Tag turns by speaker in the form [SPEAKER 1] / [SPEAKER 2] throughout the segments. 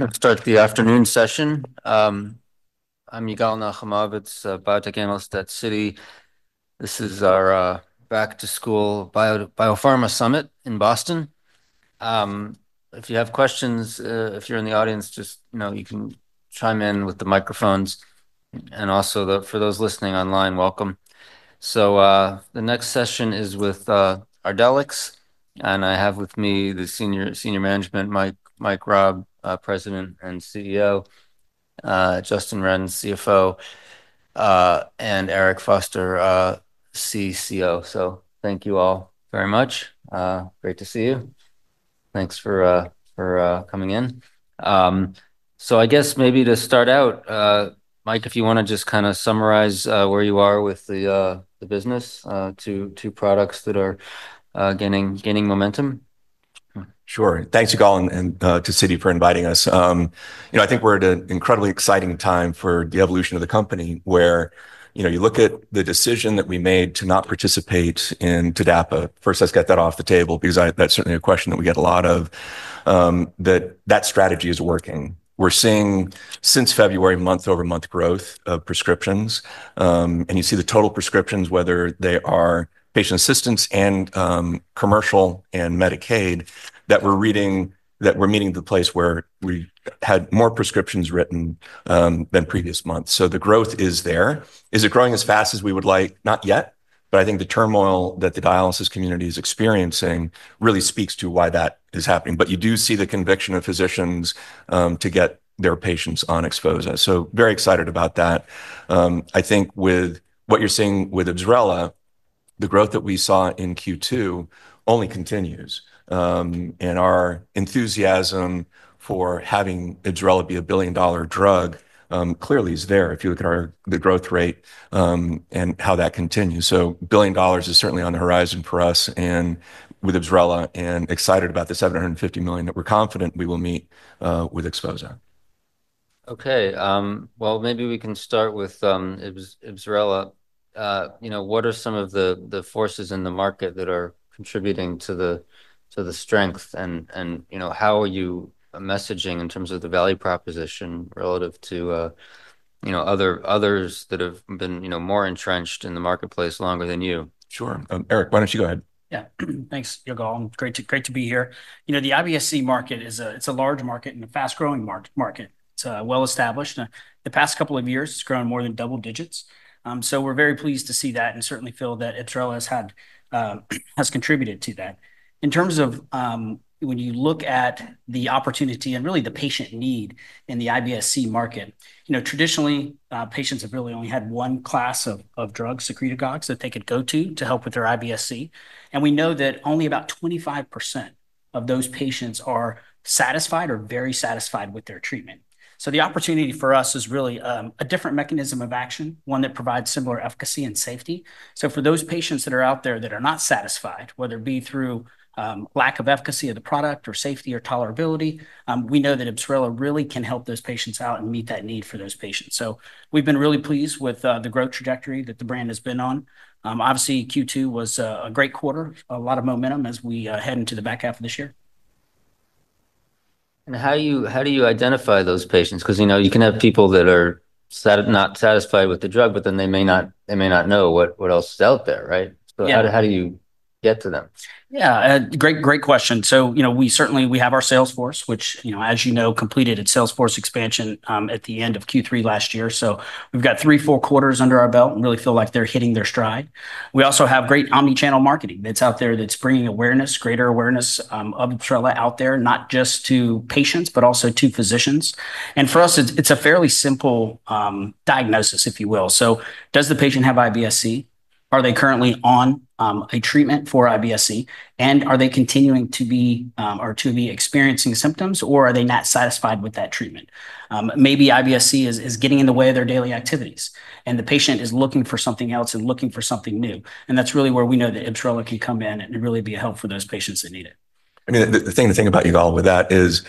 [SPEAKER 1] We're going to start the afternoon session. I'm Yigal Nochomovitz, biotech analyst at Citi. This is our Back-to-School Biopharma Summit in Boston. If you have questions, if you're in the audience, just, you know, you can chime in with the microphones. And also, for those listening online, welcome. So the next session is with Ardelyx, and I have with me the senior management, Mike Raab, President and CEO, Justin Renz, CFO, and Eric Foster, CCO. So thank you all very much. Great to see you. Thanks for coming in. So I guess maybe to start out, Mike, if you want to just kind of summarize where you are with the business, two products that are gaining momentum.
[SPEAKER 2] Sure. Thanks, Yigal, and to Citi for inviting us. You know, I think we're at an incredibly exciting time for the evolution of the company where, you know, you look at the decision that we made to not participate in TDAPA. First, let's get that off the table because that's certainly a question that we get a lot of, that that strategy is working. We're seeing since February, month-over-month growth of prescriptions. And you see the total prescriptions, whether they are patient assistance and commercial and Medicaid, that we're reading that we're meeting the place where we had more prescriptions written than previous months. So the growth is there. Is it growing as fast as we would like? Not yet. But I think the turmoil that the dialysis community is experiencing really speaks to why that is happening. But you do see the conviction of physicians to get their patients on Xphozah, so very excited about that. I think with what you're seeing with Ibsrela, the growth that we saw in Q2 only continues, and our enthusiasm for having Ibsrela be a billion-dollar drug clearly is there if you look at the growth rate and how that continues, so $1 billion is certainly on the horizon for us and with Ibsrela, and excited about the $750 million that we're confident we will meet with Xphozah.
[SPEAKER 1] Okay. Well, maybe we can start with Ibsrela. You know, what are some of the forces in the market that are contributing to the strength? And, you know, how are you messaging in terms of the value proposition relative to, you know, others that have been, you know, more entrenched in the marketplace longer than you?
[SPEAKER 2] Sure. Eric, why don't you go ahead?
[SPEAKER 3] Yeah. Thanks, Yigal. Great to be here. You know, the IBS-C market is a large market and a fast-growing market. It's well-established. In the past couple of years, it's grown more than double digits. So we're very pleased to see that and certainly feel that Ibsrela has contributed to that. In terms of when you look at the opportunity and really the patient need in the IBS-C market, you know, traditionally, patients have really only had one class of drugs, secretagogues, that they could go to to help with their IBS-C. And we know that only about 25% of those patients are satisfied or very satisfied with their treatment. So the opportunity for us is really a different mechanism of action, one that provides similar efficacy and safety. So for those patients that are out there that are not satisfied, whether it be through lack of efficacy of the product or safety or tolerability, we know that Ibsrela really can help those patients out and meet that need for those patients. So we've been really pleased with the growth trajectory that the brand has been on. Obviously, Q2 was a great quarter, a lot of momentum as we head into the back half of this year.
[SPEAKER 1] How do you identify those patients? Because, you know, you can have people that are not satisfied with the drug, but then they may not know what else is out there, right? So how do you get to them?
[SPEAKER 3] Yeah. Great question. So, you know, we certainly have our sales force, which, you know, as you know, completed its sales force expansion at the end of Q3 last year. So we've got three, four quarters under our belt and really feel like they're hitting their stride. We also have great omnichannel marketing that's out there that's bringing awareness, greater awareness of Ibsrela out there, not just to patients, but also to physicians. And for us, it's a fairly simple diagnosis, if you will. So does the patient have IBS-C? Are they currently on a treatment for IBS-C? And are they continuing to be experiencing symptoms, or are they not satisfied with that treatment? Maybe IBS-C is getting in the way of their daily activities, and the patient is looking for something else and looking for something new. That's really where we know that Ibsrela can come in and really be a help for those patients that need it.
[SPEAKER 2] I mean, the thing to think about, Yigal, with that is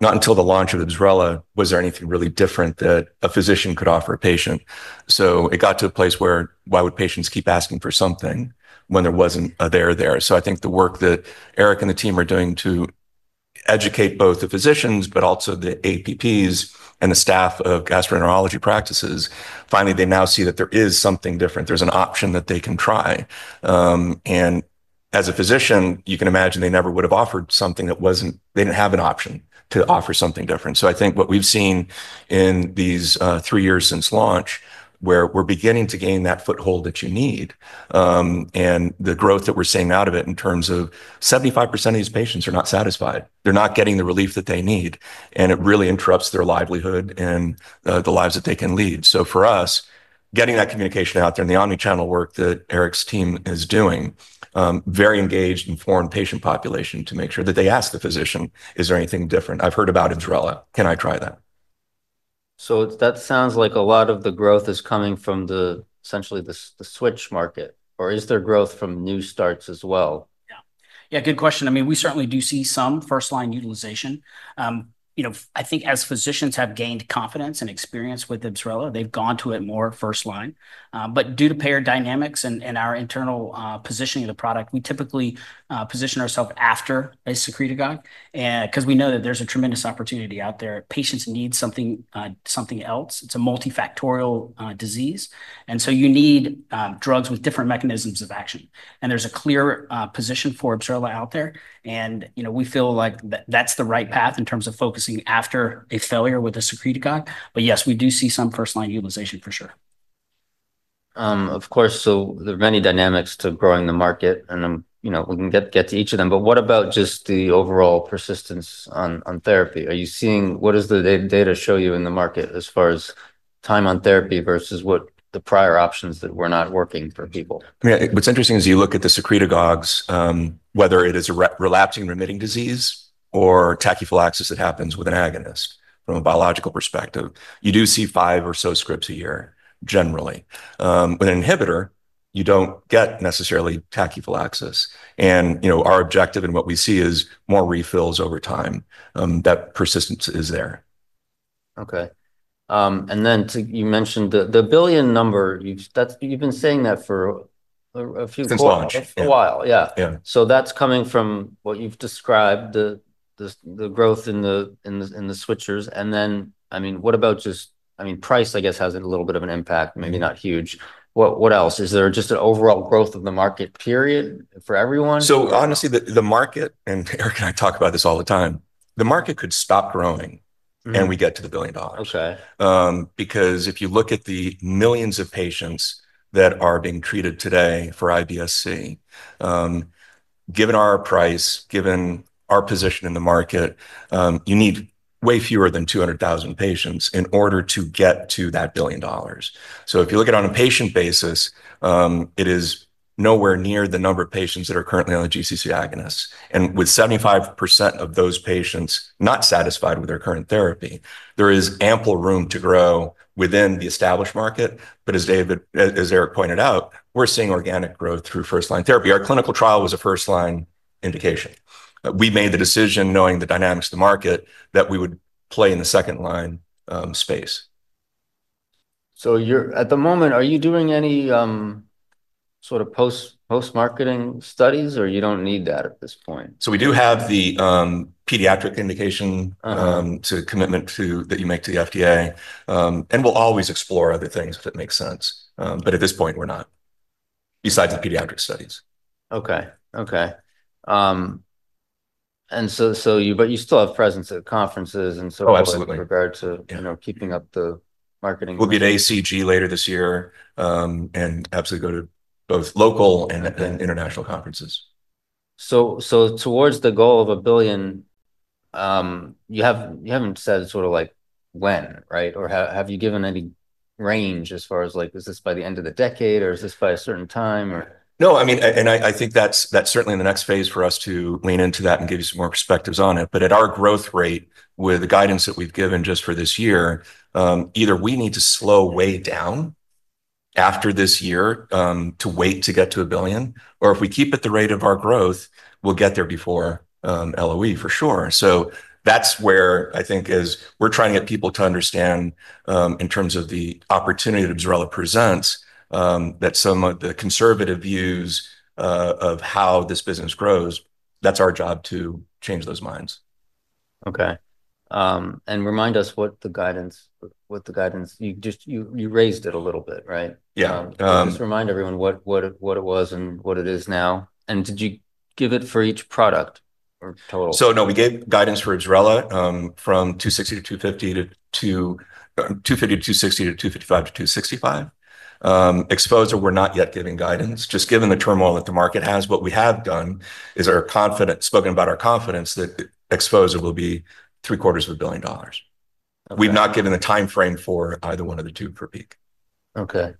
[SPEAKER 2] not until the launch of Ibsrela was there anything really different that a physician could offer a patient. So it got to a place where, why would patients keep asking for something when there wasn't a there there? So I think the work that Eric and the team are doing to educate both the physicians, but also the APPs and the staff of gastroenterology practices. Finally, they now see that there is something different. There's an option that they can try. And as a physician, you can imagine they never would have offered something that wasn't. They didn't have an option to offer something different. So I think what we've seen in these three years since launch where we're beginning to gain that foothold that you need and the growth that we're seeing out of it in terms of 75% of these patients are not satisfied. They're not getting the relief that they need. And it really interrupts their livelihood and the lives that they can lead. So for us, getting that communication out there and the omnichannel work that Eric's team is doing, very engaged, informing patient population to make sure that they ask the physician, is there anything different? I've heard about Ibsrela. Can I try that?
[SPEAKER 1] That sounds like a lot of the growth is coming from essentially the switch market, or is there growth from new starts as well?
[SPEAKER 3] Yeah. Yeah, good question. I mean, we certainly do see some first-line utilization. You know, I think as physicians have gained confidence and experience with Ibsrela, they've gone to it more first-line, but due to payer dynamics and our internal positioning of the product, we typically position ourselves after a secretagogue, because we know that there's a tremendous opportunity out there. Patients need something else. It's a multifactorial disease, and so you need drugs with different mechanisms of action, and there's a clear position for Ibsrela out there, and, you know, we feel like that's the right path in terms of focusing after a failure with a secretagogue. But yes, we do see some first-line utilization for sure.
[SPEAKER 1] Of course. So there are many dynamics to growing the market, and, you know, we can get to each of them. But what about just the overall persistence on therapy? Are you seeing what does the data show you in the market as far as time on therapy versus what the prior options that were not working for people?
[SPEAKER 2] I mean, what's interesting is you look at the secretagogues, whether it is a relapsing remitting disease or tachyphylaxis that happens with an agonist from a biological perspective, you do see five or so scripts a year, generally. With an inhibitor, you don't get necessarily tachyphylaxis. And, you know, our objective and what we see is more refills over time. That persistence is there.
[SPEAKER 1] Okay, and then you mentioned the billion number. You've been saying that for a few.
[SPEAKER 2] Since launch.
[SPEAKER 1] A while. Yeah. So that's coming from what you've described, the growth in the switchers. And then, I mean, what about just, I mean, price, I guess, has a little bit of an impact, maybe not huge. What else? Is there just an overall growth of the market, period, for everyone?
[SPEAKER 2] Honestly, the market, and Eric and I talk about this all the time. The market could stop growing and we get to $1 billion. Because if you look at the millions of patients that are being treated today for IBS-C, given our price, given our position in the market, you need way fewer than 200,000 patients in order to get to that $1 billion. So if you look at it on a patient basis, it is nowhere near the number of patients that are currently on the GCC agonists. And with 75% of those patients not satisfied with their current therapy, there is ample room to grow within the established market. But as Eric pointed out, we're seeing organic growth through first-line therapy. Our clinical trial was a first-line indication. We made the decision, knowing the dynamics of the market, that we would play in the second-line space.
[SPEAKER 1] So at the moment, are you doing any sort of post-marketing studies, or you don't need that at this point?
[SPEAKER 2] We do have the pediatric indication post-commitment that you make to the FDA. We'll always explore other things if it makes sense, but at this point, we're not, besides the pediatric studies.
[SPEAKER 1] Okay. Okay, and so you still have presence at conferences and so forth in regard to keeping up the marketing.
[SPEAKER 2] We'll be at ACG later this year and absolutely go to both local and international conferences.
[SPEAKER 1] Towards the goal of a billion, you haven't said sort of like when, right? Or have you given any range as far as like, is this by the end of the decade, or is this by a certain time, or?
[SPEAKER 2] No, I mean, and I think that's certainly in the next phase for us to lean into that and give you some more perspectives on it. But at our growth rate, with the guidance that we've given just for this year, either we need to slow way down after this year to wait to get to a billion, or if we keep at the rate of our growth, we'll get there before LOE for sure. So that's where I think as we're trying to get people to understand in terms of the opportunity that Ibsrela presents, that some of the conservative views of how this business grows, that's our job to change those minds.
[SPEAKER 1] Okay, and remind us what the guidance you raised it a little bit, right?
[SPEAKER 2] Yeah.
[SPEAKER 1] Just remind everyone what it was and what it is now, and did you give it for each product or total?
[SPEAKER 2] No, we gave guidance for Ibsrela from $250–$260–$255–$265. Xphozah, we're not yet giving guidance. Given the turmoil that the market has, what we have done is spoken about our confidence that Xphozah will be $750 million. We've not given the timeframe for either one of the two for peak.
[SPEAKER 1] Okay.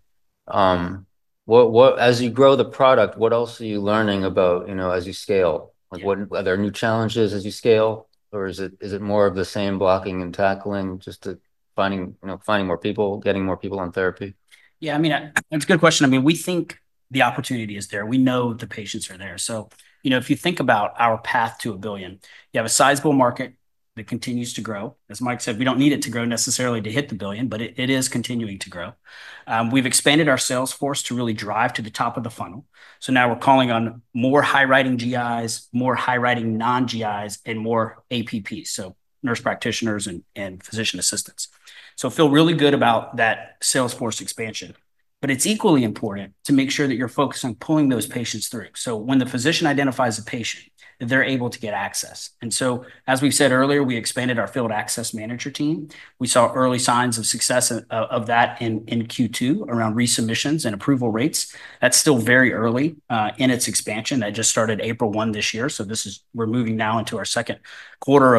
[SPEAKER 1] As you grow the product, what else are you learning about, you know, as you scale? Are there new challenges as you scale, or is it more of the same blocking and tackling, just finding more people, getting more people on therapy?
[SPEAKER 3] Yeah, I mean, that's a good question. I mean, we think the opportunity is there. We know the patients are there. So, you know, if you think about our path to a billion, you have a sizable market that continues to grow. As Mike said, we don't need it to grow necessarily to hit the billion, but it is continuing to grow. We've expanded our sales force to really drive to the top of the funnel. So now we're calling on more high-prescribing GIs, more high-prescribing non-GIs, and more APPs, so nurse practitioners and physician assistants. So feel really good about that sales force expansion. But it's equally important to make sure that you're focused on pulling those patients through. So when the physician identifies a patient, that they're able to get access. And so, as we said earlier, we expanded our field access manager team. We saw early signs of success of that in Q2 around resubmissions and approval rates. That's still very early in its expansion. That just started April 1 this year. So this is, we're moving now into our second quarter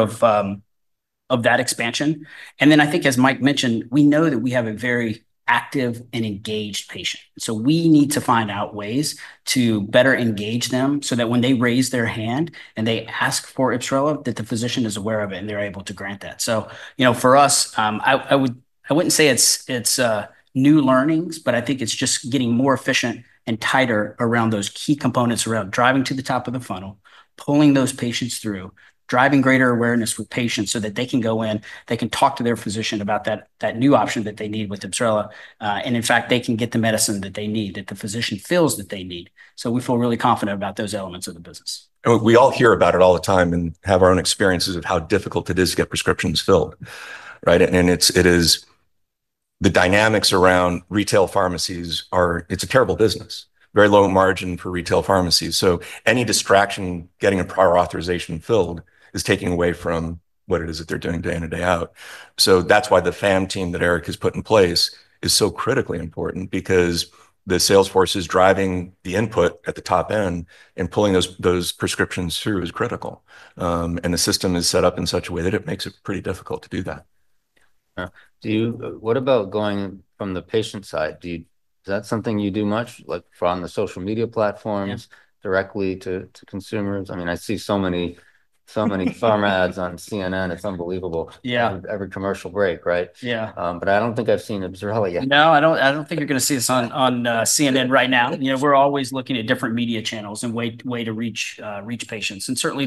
[SPEAKER 3] of that expansion. And then I think, as Mike mentioned, we know that we have a very active and engaged patient. So we need to find out ways to better engage them so that when they raise their hand and they ask for Ibsrela, that the physician is aware of it and they're able to grant that. You know, for us, I wouldn't say it's new learnings, but I think it's just getting more efficient and tighter around those key components around driving to the top of the funnel, pulling those patients through, driving greater awareness with patients so that they can go in. They can talk to their physician about that new option that they need with Ibsrela. In fact, they can get the medicine that they need, that the physician feels that they need. We feel really confident about those elements of the business.
[SPEAKER 2] We all hear about it all the time and have our own experiences of how difficult it is to get prescriptions filled, right? And it is the dynamics around retail pharmacies are. It's a terrible business, very low margin for retail pharmacies, so any distraction getting a prior authorization filled is taking away from what it is that they're doing day in and day out. So that's why the FAM team that Eric has put in place is so critically important because the sales force is driving the input at the top end and pulling those prescriptions through is critical, and the system is set up in such a way that it makes it pretty difficult to do that.
[SPEAKER 1] What about going from the patient side? Is that something you do much, like on the social media platforms directly to consumers? I mean, I see so many pharm ads on CNN. It's unbelievable. Every commercial break, right?
[SPEAKER 3] Yeah.
[SPEAKER 1] But I don't think I've seen Ibsrela yet.
[SPEAKER 3] No, I don't think you're going to see us on CNN right now. You know, we're always looking at different media channels and ways to reach patients, and certainly,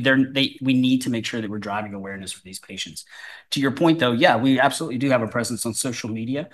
[SPEAKER 3] we need to make sure that we're driving awareness for these patients. To your point, though, yeah, we absolutely do have a presence on social media.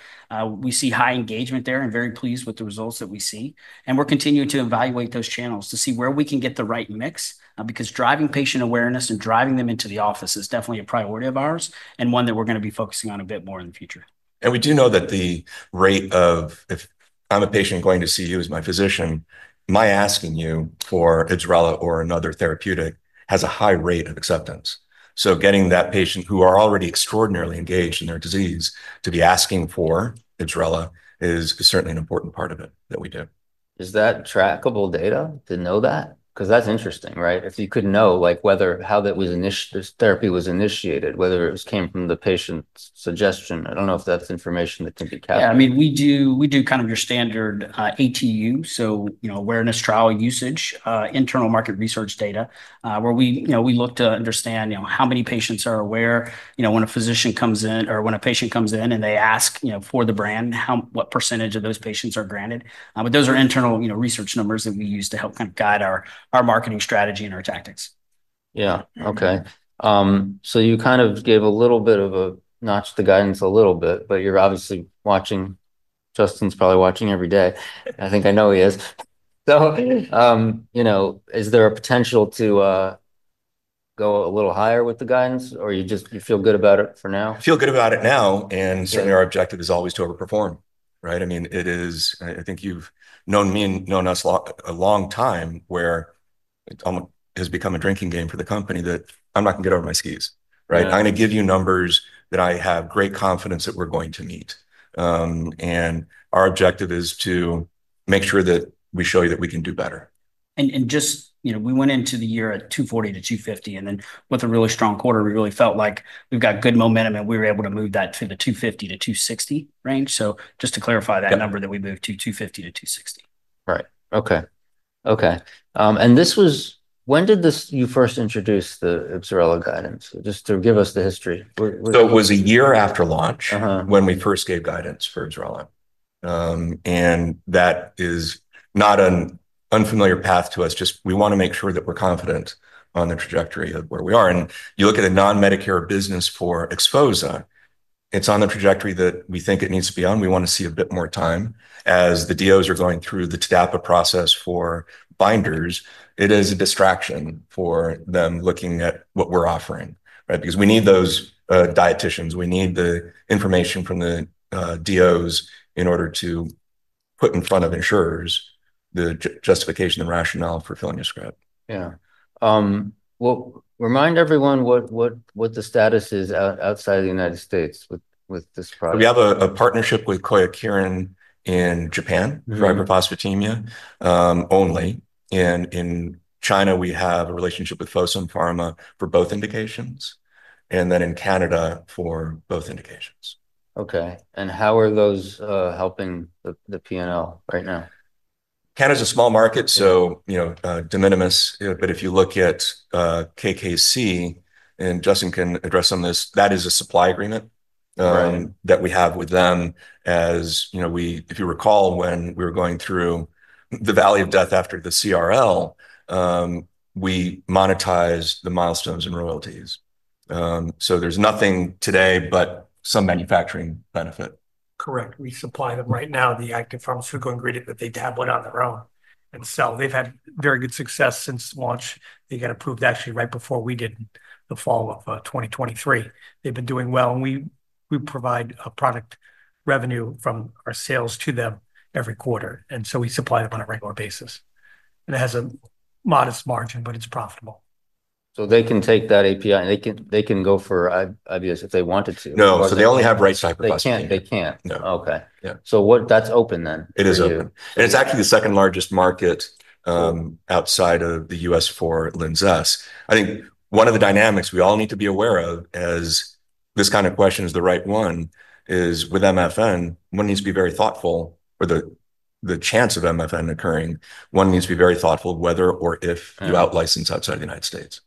[SPEAKER 3] We see high engagement there and very pleased with the results that we see, and we're continuing to evaluate those channels to see where we can get the right mix, because driving patient awareness and driving them into the office is definitely a priority of ours and one that we're going to be focusing on a bit more in the future.
[SPEAKER 2] We do know that the rate of if I'm a patient going to see you as my physician, my asking you for Ibsrela or another therapeutic has a high rate of acceptance. Getting that patient who are already extraordinarily engaged in their disease to be asking for Ibsrela is certainly an important part of it that we do.
[SPEAKER 1] Is that trackable data to know that? Because that's interesting, right? If you could know how that therapy was initiated, whether it came from the patient's suggestion, I don't know if that's information that can be captured.
[SPEAKER 3] Yeah, I mean, we do kind of your standard ATU, so awareness, trial usage, internal market research data, where we look to understand how many patients are aware, you know, when a physician comes in or when a patient comes in and they ask for the brand, what percentage of those patients are granted. But those are internal research numbers that we use to help kind of guide our marketing strategy and our tactics.
[SPEAKER 1] Yeah. Okay. So you kind of notched the guidance a little bit, but you're obviously watching. Justin's probably watching every day. I think I know he is. So, you know, is there a potential to go a little higher with the guidance, or you just feel good about it for now?
[SPEAKER 2] Feel good about it now. And certainly, our objective is always to overperform, right? I mean, it is, I think you've known me and known us a long time where it has become a drinking game for the company that I'm not going to get out of my skis, right? I'm going to give you numbers that I have great confidence that we're going to meet. And our objective is to make sure that we show you that we can do better.
[SPEAKER 3] And just, you know, we went into the year at 240–250. And then with a really strong quarter, we really felt like we've got good momentum and we were able to move that to the 250–260 range. So just to clarify that number that we moved to 250–260.
[SPEAKER 1] Right. Okay. Okay. And this was when did you first introduce the Ibsrela guidance? Just to give us the history.
[SPEAKER 2] So it was a year after launch when we first gave guidance for Ibsrela. And that is not an unfamiliar path to us. Just we want to make sure that we're confident on the trajectory of where we are. And you look at a non-Medicare business for Xphozah, it's on the trajectory that we think it needs to be on. We want to see a bit more time as the DOs are going through the TDAPA process for binders. It is a distraction for them looking at what we're offering, right? Because we need those dieticians. We need the information from the DOs in order to put in front of insurers the justification and rationale for filling your script.
[SPEAKER 1] Yeah, well, remind everyone what the status is outside of the United States with this product.
[SPEAKER 2] We have a partnership with Kyowa Kirin in Japan for hyperphosphatemia only. And in China, we have a relationship with Fosun Pharma for both indications. And then in Canada for both indications.
[SPEAKER 1] Okay, and how are those helping the P&L right now?
[SPEAKER 2] Canada is a small market, so you know, de minimis. But if you look at KKC, and Justin can address on this, that is a supply agreement that we have with them as, you know, if you recall when we were going through the valley of death after the CRL, we monetize the milestones and royalties. So there's nothing today but some manufacturing benefit.
[SPEAKER 3] Correct. We supply them right now, the active pharmaceutical ingredient that they tablet on their own and sell. They've had very good success since launch. They got approved actually right before we did, the fall of 2023. They've been doing well, and we provide product revenue from our sales to them every quarter, and so we supply them on a regular basis, and it has a modest margin, but it's profitable.
[SPEAKER 1] So they can take that API and they can go for IBS if they wanted to.
[SPEAKER 2] No, so they only have rights to hyperphosphatemia.
[SPEAKER 1] They can't. Okay. So that's open then.
[SPEAKER 2] It is open, and it's actually the second largest market outside of the U.S. for Linzess. I think one of the dynamics we all need to be aware of as this kind of question is the right one is with MFN. One needs to be very thoughtful for the chance of MFN occurring. One needs to be very thoughtful whether or if you out-license outside the United States.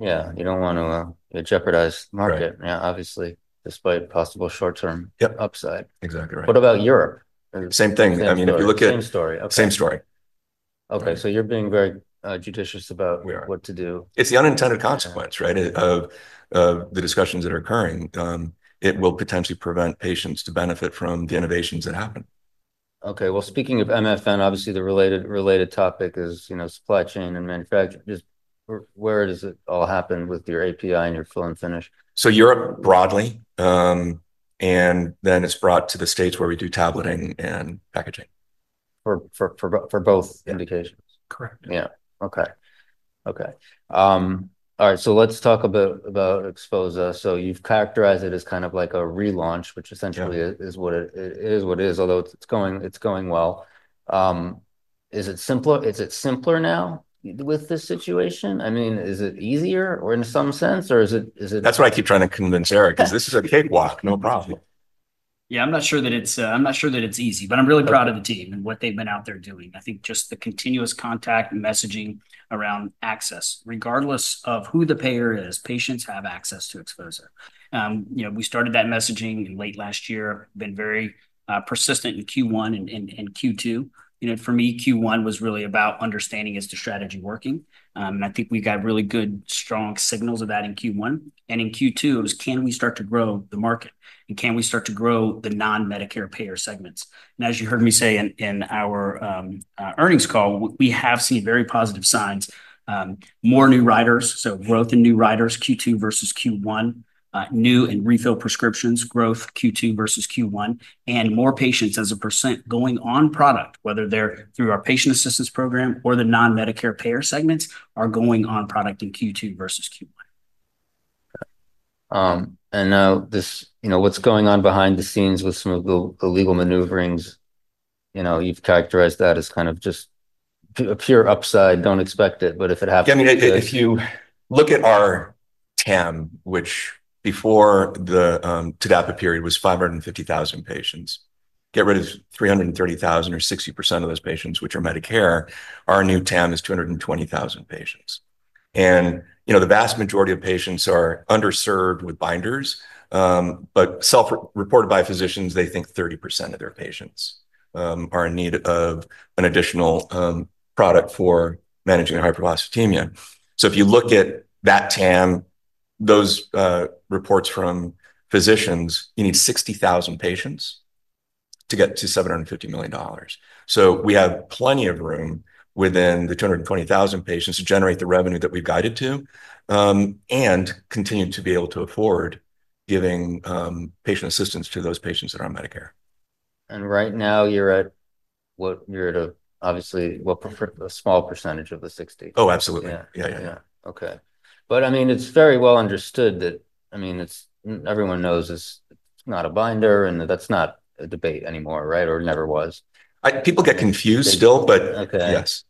[SPEAKER 1] Yeah. You don't want to jeopardize market, obviously, despite possible short-term upside.
[SPEAKER 2] Exactly right.
[SPEAKER 1] What about Europe?
[SPEAKER 2] Same thing. I mean, if you look at.
[SPEAKER 1] Same story.
[SPEAKER 2] Same story.
[SPEAKER 1] Okay, so you're being very judicious about what to do.
[SPEAKER 2] It's the unintended consequence, right, of the discussions that are occurring. It will potentially prevent patients to benefit from the innovations that happen.
[SPEAKER 1] Okay. Well, speaking of MFN, obviously the related topic is supply chain and manufacturing. Just where does it all happen with your API and your fill and finish?
[SPEAKER 2] So Europe broadly. And then it's brought to the States where we do tableting and packaging.
[SPEAKER 1] For both indications.
[SPEAKER 3] Correct.
[SPEAKER 1] Yeah. Okay. Okay. All right. So let's talk about XPHOZAH. So you've characterized it as kind of like a relaunch, which essentially is what it is, although it's going well. Is it simpler now with this situation? I mean, is it easier or in some sense, or is it?
[SPEAKER 2] That's why I keep trying to convince Eric, because this is a cakewalk, no problem.
[SPEAKER 3] Yeah, I'm not sure that it's easy, but I'm really proud of the team and what they've been out there doing. I think just the continuous contact and messaging around access, regardless of who the payer is, patients have access to Xphozah. You know, we started that messaging in late last year, been very persistent in Q1 and Q2. You know, for me, Q1 was really about understanding is the strategy working. In Q2, it was, can we start to grow the market? And can we start to grow the non-Medicare payer segments? As you heard me say in our earnings call, we have seen very positive signs, more new riders, so growth in new riders, Q2 versus Q1, new and refill prescriptions growth, Q2 versus Q1, and more patients as a percent going on product, whether they're through our patient assistance program or the non-Medicare payer segments are going on product in Q2 versus Q1.
[SPEAKER 1] And now this, you know, what's going on behind the scenes with some of the legal maneuverings, you know, you've characterized that as kind of just a pure upside, don't expect it, but if it happens.
[SPEAKER 2] I mean, if you look at our TAM, which before the TDAPA period was 550,000 patients, get rid of 330,000 or 60% of those patients, which are Medicare, our new TAM is 220,000 patients. And you know, the vast majority of patients are underserved with binders, but self-reported by physicians, they think 30% of their patients are in need of an additional product for managing hyperphosphatemia. So if you look at that TAM, those reports from physicians, you need 60,000 patients to get to $750 million. So we have plenty of room within the 220,000 patients to generate the revenue that we've guided to and continue to be able to afford giving patient assistance to those patients that are on Medicare.
[SPEAKER 1] Right now you're at, what, you're at obviously a small percentage of the 60.
[SPEAKER 2] Oh, absolutely. Yeah, yeah, yeah.
[SPEAKER 1] Okay. But I mean, it's very well understood that, I mean, everyone knows it's not a binder and that's not a debate anymore, right? Or never was.
[SPEAKER 2] People get confused still, but yes.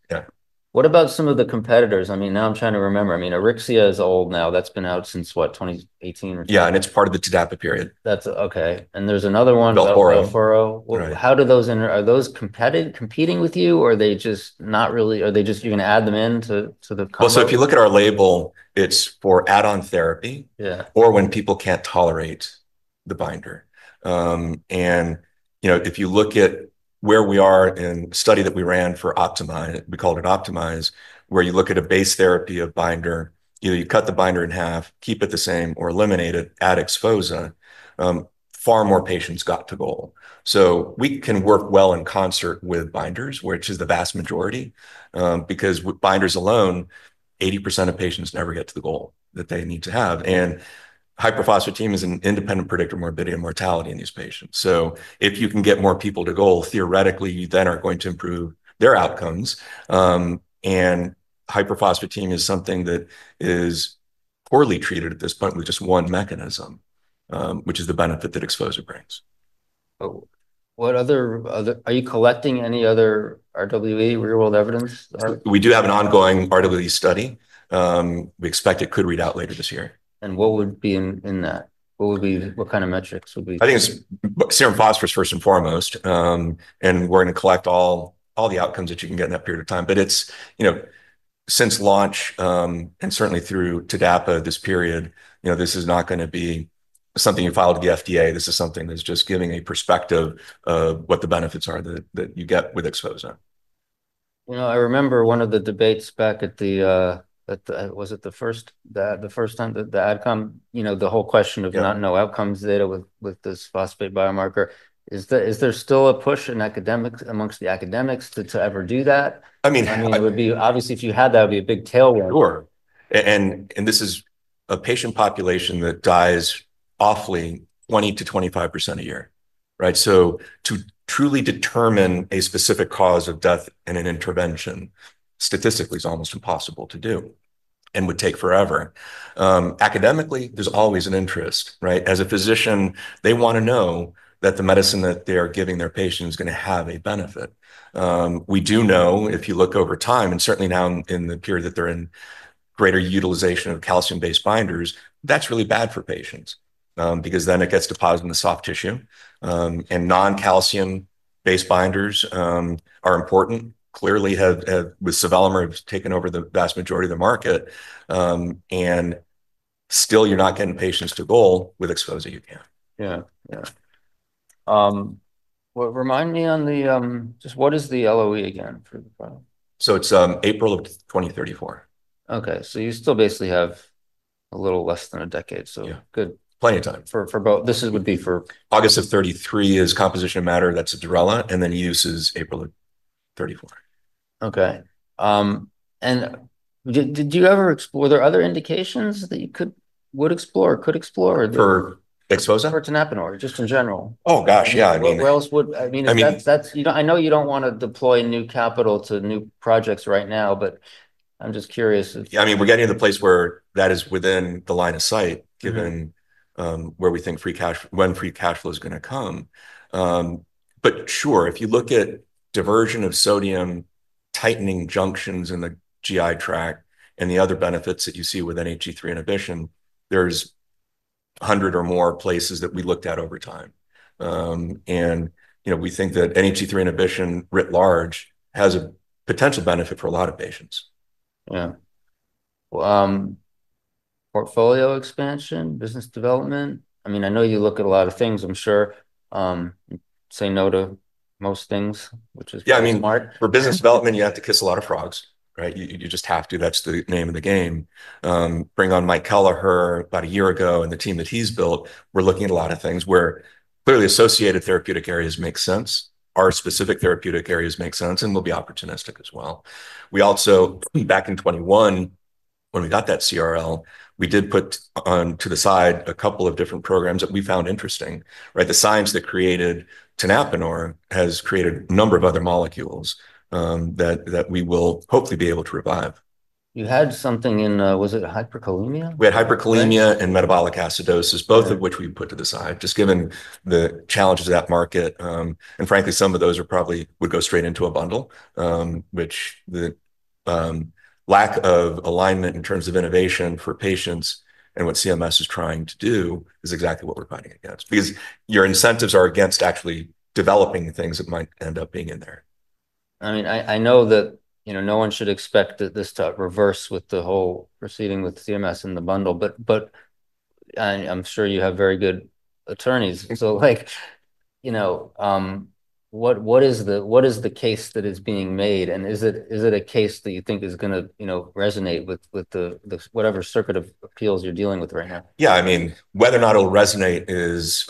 [SPEAKER 1] What about some of the competitors? I mean, now I'm trying to remember. I mean, Auryxia is old now. That's been out since, what, 2018 or something?
[SPEAKER 2] Yeah, and it's part of the TDAPA period.
[SPEAKER 1] That's okay, and there's another one.
[SPEAKER 2] Renvela.
[SPEAKER 1] Velphoro. How do those, are those competing with you or are they just not really, you're going to add them into the company?
[SPEAKER 2] So if you look at our label, it's for add-on therapy or when people can't tolerate the binder. And you know, if you look at where we are in a study that we ran for Optimize, we called it Optimize, where you look at a base therapy of binder, you cut the binder in half, keep it the same, or eliminate it, add Xphozah, far more patients got to goal. So we can work well in concert with binders, which is the vast majority, because binders alone, 80% of patients never get to the goal that they need to have. And hyperphosphatemia is an independent predictor of morbidity and mortality in these patients. So if you can get more people to goal, theoretically, you then are going to improve their outcomes. Hyperphosphatemia is something that is poorly treated at this point with just one mechanism, which is the benefit that Xphozah brings.
[SPEAKER 1] Are you collecting any other RWE real-world evidence?
[SPEAKER 2] We do have an ongoing RWE study. We expect it could read out later this year.
[SPEAKER 1] What would be in that? What kind of metrics would be?
[SPEAKER 2] I think it's serum phosphorus first and foremost. And we're going to collect all the outcomes that you can get in that period of time. But it's, you know, since launch and certainly through TDAPA this period, you know, this is not going to be something you file to the FDA. This is something that's just giving a perspective of what the benefits are that you get with Xphozah.
[SPEAKER 1] You know, I remember one of the debates back at the, was it the first time that the adcom, you know, the whole question of not know outcomes data with this phosphate biomarker, is there still a push in academics amongst the academics to ever do that? I mean, it would be, obviously, if you had that, it would be a big tailwind.
[SPEAKER 2] Sure. And this is a patient population that dies awfully 20%-25% a year, right? So to truly determine a specific cause of death and an intervention, statistically, it's almost impossible to do and would take forever. Academically, there's always an interest, right? As a physician, they want to know that the medicine that they are giving their patients is going to have a benefit. We do know if you look over time, and certainly now in the period that they're in greater utilization of calcium-based binders, that's really bad for patients because then it gets deposited in the soft tissue. And non-calcium-based binders are important, clearly have with sevelamer have taken over the vast majority of the market. And still, you're not getting patients to goal with Xphozah you can.
[SPEAKER 1] Yeah. Yeah. Well, remind me on the, just what is the LOE again for the product?
[SPEAKER 2] It's April of 2034.
[SPEAKER 1] Okay, so you still basically have a little less than a decade. So good.
[SPEAKER 2] Yeah. Plenty of time.
[SPEAKER 1] For both, this would be for.
[SPEAKER 2] August of 2033 is composition of matter, that's Ibsrela, and then use is April of 2034.
[SPEAKER 1] Okay. And did you ever explore, were there other indications that you could, would explore or could explore?
[SPEAKER 2] For Xpozah?
[SPEAKER 1] For tenapanor or just in general?
[SPEAKER 2] Oh, gosh, yeah. I mean.
[SPEAKER 1] Where else would, I mean, that's, you know, I know you don't want to deploy new capital to new projects right now, but I'm just curious.
[SPEAKER 2] Yeah, I mean, we're getting to the place where that is within the line of sight given where we think free cash, when free cash flow is going to come. But sure, if you look at diversion of sodium tightening junctions in the GI tract and the other benefits that you see with NHE3 inhibition, there's 100 or more places that we looked at over time. And you know, we think that NHE3 inhibition writ large has a potential benefit for a lot of patients.
[SPEAKER 1] Yeah. Portfolio expansion, business development? I mean, I know you look at a lot of things, I'm sure. Say no to most things, which is pretty smart.
[SPEAKER 2] Yeah, I mean, for business development, you have to kiss a lot of frogs, right? You just have to. That's the name of the game. Brought on Mike Kelleher about a year ago and the team that he's built, we're looking at a lot of things where clearly associated therapeutic areas make sense, our specific therapeutic areas make sense, and we'll be opportunistic as well. We also, back in 2021, when we got that CRL, we did put on to the side a couple of different programs that we found interesting, right? The science that created tenapanor has created a number of other molecules that we will hopefully be able to revive.
[SPEAKER 1] You had something in, was it hyperkalemia?
[SPEAKER 2] We had hyperkalemia and metabolic acidosis, both of which we put to the side, just given the challenges of that market, and frankly, some of those probably would go straight into a bundle, which the lack of alignment in terms of innovation for patients and what CMS is trying to do is exactly what we're fighting against. Because your incentives are against actually developing the things that might end up being in there.
[SPEAKER 1] I mean, I know that, you know, no one should expect that this to reverse with the whole proceeding with CMS in the bundle, but I'm sure you have very good attorneys. So like, you know, what is the case that is being made? And is it a case that you think is going to, you know, resonate with the whatever circuit of appeals you're dealing with right now?
[SPEAKER 2] Yeah, I mean, whether or not it'll resonate is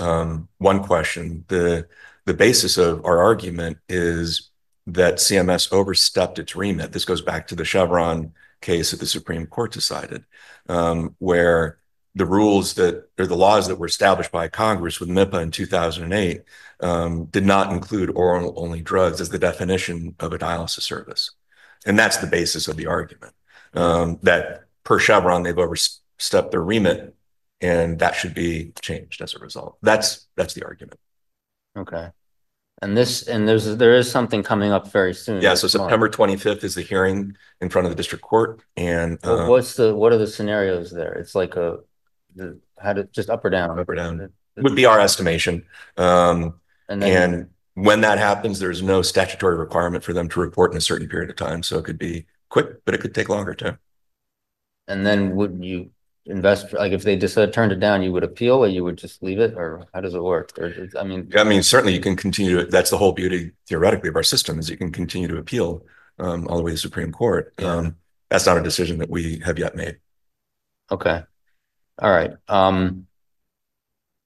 [SPEAKER 2] one question. The basis of our argument is that CMS overstepped its remit. This goes back to the Chevron case that the Supreme Court decided, where the rules that, or the laws that were established by Congress with MIPPA in 2008 did not include oral-only drugs as the definition of a dialysis service. And that's the basis of the argument, that per Chevron, they've overstepped their remit and that should be changed as a result. That's the argument.
[SPEAKER 1] Okay, and there is something coming up very soon.
[SPEAKER 2] Yeah, so September 25th is the hearing in front of the district court and.
[SPEAKER 1] What are the scenarios there? It's like just up or down?
[SPEAKER 2] Up or down. Would be our estimation. And when that happens, there's no statutory requirement for them to report in a certain period of time. So it could be quick, but it could take longer too.
[SPEAKER 1] And then wouldn't you invest, like if they decide to turn it down, you would appeal or you would just leave it? Or how does it work? I mean.
[SPEAKER 2] I mean, certainly you can continue to, that's the whole beauty theoretically of our system is you can continue to appeal all the way to the Supreme Court. That's not a decision that we have yet made.
[SPEAKER 1] Okay. All right.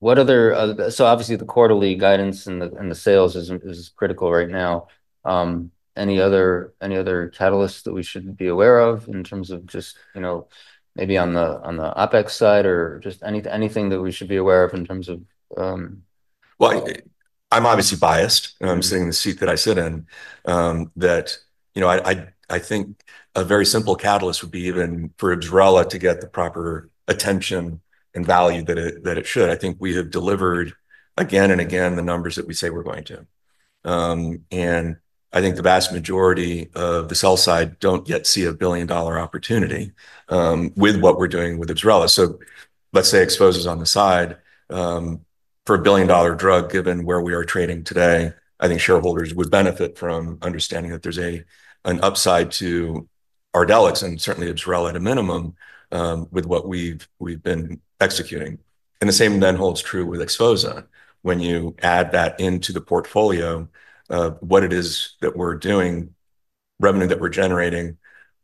[SPEAKER 1] What other, so obviously the quarterly guidance and the sales is critical right now. Any other catalysts that we should be aware of in terms of just, you know, maybe on the OpEx side or just anything that we should be aware of in terms of.
[SPEAKER 2] I'm obviously biased and I'm sitting in the seat that I sit in, that, you know, I think a very simple catalyst would be even for Ibsrela to get the proper attention and value that it should. I think we have delivered again and again the numbers that we say we're going to. And I think the vast majority of the sell-side don't yet see a billion-dollar opportunity with what we're doing with Ibsrela. So let's say Xphozah is on the side for a billion-dollar drug, given where we are trading today, I think shareholders would benefit from understanding that there's an upside to Ardelyx and certainly Ibsrela at a minimum with what we've been executing. And the same then holds true with Xphozah. When you add that into the portfolio of what it is that we're doing, revenue that we're generating,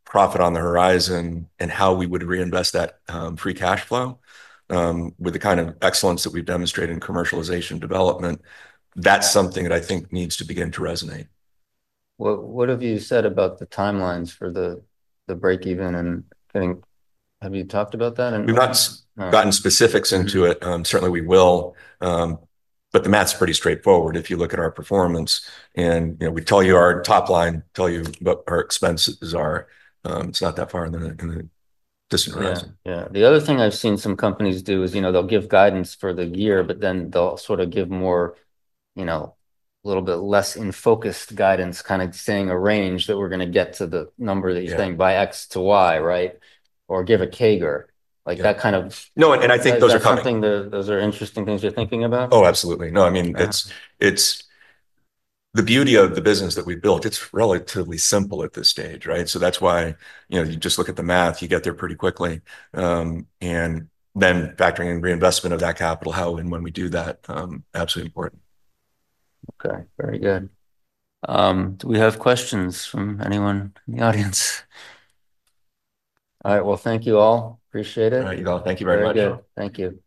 [SPEAKER 2] profit on the horizon, and how we would reinvest that free cash flow with the kind of excellence that we've demonstrated in commercialization development, that's something that I think needs to begin to resonate.
[SPEAKER 1] What have you said about the timelines for the breakeven and getting, have you talked about that?
[SPEAKER 2] We've not gotten specifics into it. Certainly we will, but the math's pretty straightforward if you look at our performance, and you know, we tell you our top line, tell you what our expenses are. It's not that far on the distant horizon.
[SPEAKER 1] Yeah. The other thing I've seen some companies do is, you know, they'll give guidance for the year, but then they'll sort of give more, you know, a little bit less in-focused guidance, kind of saying a range that we're going to get to the number that you're saying by X to Y, right? Or give a CAGR. Like that kind of.
[SPEAKER 2] No, and I think those are coming.
[SPEAKER 1] Is that something? Those are interesting things you're thinking about?
[SPEAKER 2] Oh, absolutely. No, I mean, it's the beauty of the business that we've built, it's relatively simple at this stage, right? So that's why, you know, you just look at the math, you get there pretty quickly. And then factoring in reinvestment of that capital, how and when we do that, absolutely important.
[SPEAKER 1] Okay. Very good. Do we have questions from anyone in the audience? All right. Well, thank you all. Appreciate it.
[SPEAKER 2] All right, you all. Thank you very much.
[SPEAKER 1] Very good. Thank you.